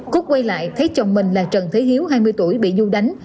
cút quay lại thấy chồng mình là trần thế hiếu hai mươi tuổi bị du đánh